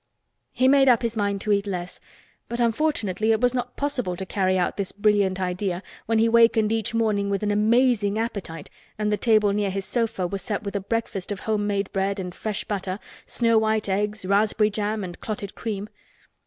He made up his mind to eat less, but unfortunately it was not possible to carry out this brilliant idea when he wakened each morning with an amazing appetite and the table near his sofa was set with a breakfast of home made bread and fresh butter, snow white eggs, raspberry jam and clotted cream.